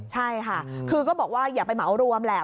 ใช่ค่ะคือก็บอกว่าอย่าไปเหมารวมแหละ